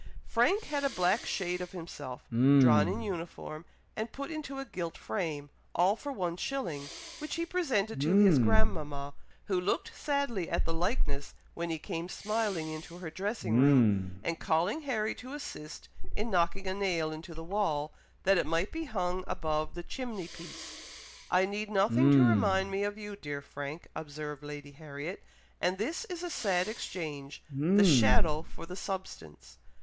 Frank had a black shade of himself, drawn in uniform and put into a gilt frame, all for one shilling, which he presented to his grandmama, who looked sadly at the likeness when he came smiling into her dressing room, and calling Harry to assist in knocking a nail into the wall, that it might be hung above the chimney piece. "I need nothing to remind me of you, dear Frank," observed Lady Harriet, "and this is a sad exchange, the shadow for the substance."